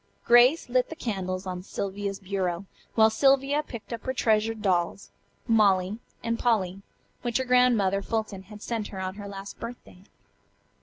Grace lit the candles on Sylvia's bureau, while Sylvia picked up her treasured dolls, "Molly" and "Polly," which her Grandmother Fulton had sent her on her last birthday.